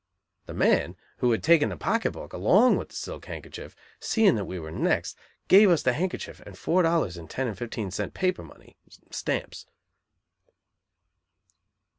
The man, who had taken the pocket book along with the silk handkerchief, seeing that we were "next," gave us the handkerchief and four dollars in ten and fifteen cent paper money ("stamps").